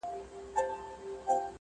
چي پر سمه لاره ځم راته قهرېږي!.